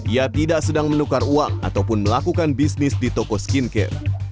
ia tidak sedang menukar uang ataupun melakukan bisnis di toko skincare